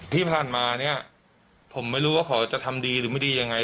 ที่ผ่านมาเนี่ยผมไม่รู้ว่าเขาจะทำดีหรือไม่ดียังไง